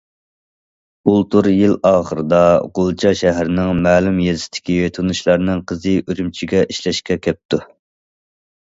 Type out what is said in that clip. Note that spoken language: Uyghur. بۇلتۇر يىل ئاخىرىدا، غۇلجا شەھىرىنىڭ مەلۇم يېزىسىدىكى تونۇشلارنىڭ قىزى ئۈرۈمچىگە ئىشلەشكە كەپتۇ.